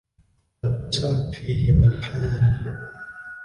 وَاتَّسَعَتْ فِيهِمَا الْحَالُ